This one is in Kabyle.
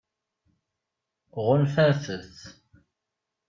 Ɣunfant-t?